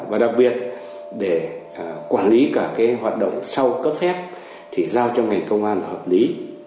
và đặc biệt để quản lý cả cái hoạt động sau cấp phép thì giao cho ngành công an hợp lý